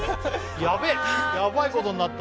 やべえやばいことになった。